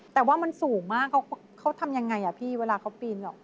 แต่ว่ามันสูงมากเขาทำยังไงพี่เวลาเขาปีนออก